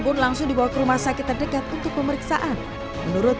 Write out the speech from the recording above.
pun langsung dibawa ke rumah sakit terdekat untuk pemeriksaan menurut